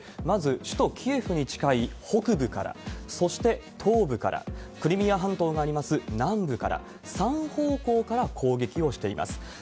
まず首都キエフに近い北部から、そして東部から、クリミア半島があります南部から、３方向から攻撃をしています。